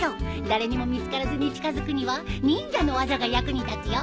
誰にも見つからずに近づくには忍者の技が役に立つよ。